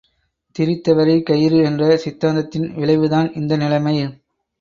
திரித்தவரை கயிறு என்ற சித்தாந்தத்தின் விளைவுதான் இந்த நிலைமை.